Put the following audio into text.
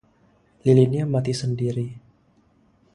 Lilinnya mati sendiri.